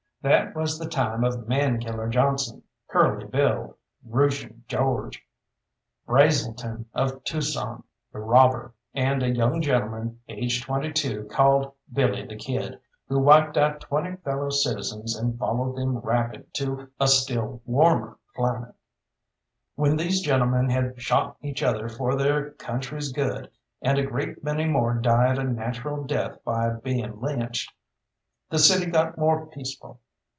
That was the time of Mankiller Johnson, Curly Bill, Roosian George, Brazelton of Tucson, the robber, and a young gentleman aged twenty two, called Billy the Kid, who wiped out twenty fellow citizens and followed them rapid to a still warmer climate. When these gentlemen had shot each other for their country's good, and a great many more died a natural death by being lynched, the city got more peaceful.